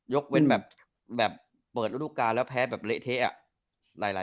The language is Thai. ยกเปิดธุรกาแล้วแพ้แบบเละเทะอะ